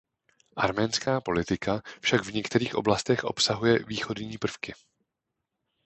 Arménská politika však v některých oblastech obsahuje „východní prvky“.